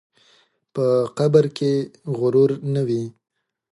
په قبر کې غرور نه وي.